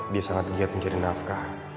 dia sangat giat mencari nafkah